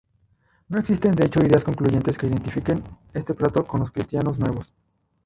No existen de hecho ideas concluyentes que identifiquen este plato con los cristianos nuevos.